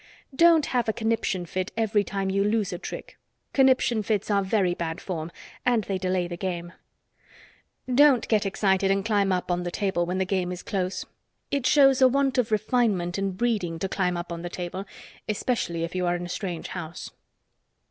Don't have a conniption fit every time you lose a trick. Conniption fits are very bad form, and they delay the game. Don't get excited and climb up on the table when the game is close. It shows a want of refinement and breeding to climb up on the table, especially if you are in a strange house.